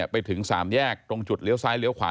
ไปถึง๓แยกตรงจุดเลี้ยวซ้ายเลี้ยขวา